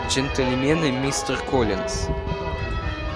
Джентльмены, мистер Коллинс.